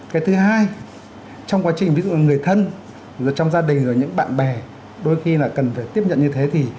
cái thứ hai trong quá trình ví dụ người thân trong gia đình rồi những bạn bè đôi khi là cần phải tiếp nhận như thế